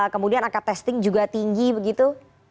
kemudian angka testing juga tinggi begitu